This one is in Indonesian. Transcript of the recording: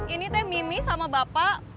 ini teh mimi sama bapak